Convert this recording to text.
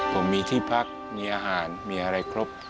ผมมีที่พักมีอาหารมีอะไรครบ